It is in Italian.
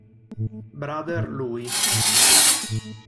Brother Louie